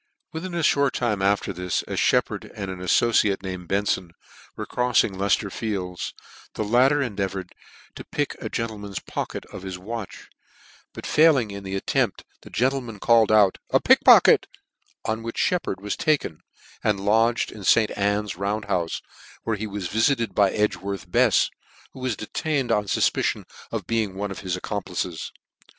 Wirhin a fhort time after this, as Sheppard and an aflbciatc, named Benfon, were croffing Leicef ter nelds, the latter endeavoured to pick a gentle man's pocket of his watch, but failing in ihe at 3 D 2 tempt, NEW NEWGATE CALENDAR. tempt, the gentleman called out " A pick ?pocket," on which Sheppard was taken, and lodged in St. Anne's Round houfe, where he was vifited by Edgworth Befs, who was detained on iufpicion of being one of his accomplices.